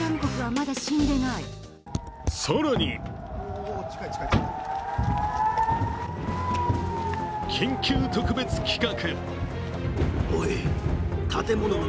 更に緊急特別企画。